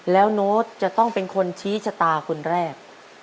แล้วโน้ตจะต้องเป็นคนชี้ชะตาคนแรก